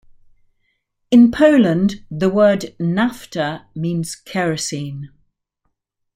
In Poland, the word "nafta" means kerosene.